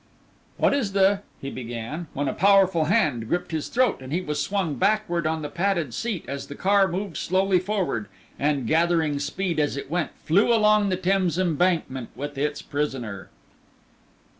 "What is the " he began, when a powerful hand gripped his throat, and he was swung backward on the padded seat as the car moved slowly forward and, gathering speed as it went, flew along the Thames Embankment with its prisoner.